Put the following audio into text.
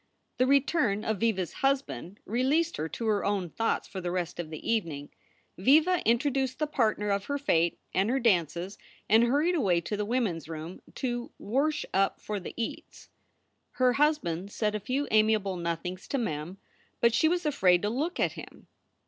The return of Viva s husband released her to her own thoughts for the rest of the evening. Viva introduced the partner of her fate and her dances, and hurried away to the women s room to "worsh up for the eats." Her husband said a few amiable nothings to Mem, but she was afraid to look at him.